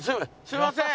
すいません。